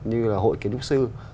như là hội kiến trúc sư